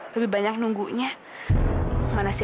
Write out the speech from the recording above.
lebih banyak nunggu nunggu